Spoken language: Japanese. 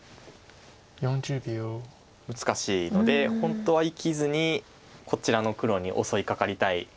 難しいので本当は生きずにこちらの黒に襲いかかりたい。